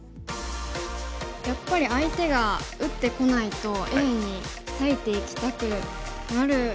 やっぱり相手が打ってこないとＡに裂いていきたくなる気持ちもあるんですが。